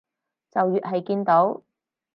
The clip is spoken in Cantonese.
就越係見到